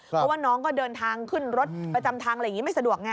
เพราะว่าน้องก็เดินทางขึ้นรถประจำทางอะไรอย่างนี้ไม่สะดวกไง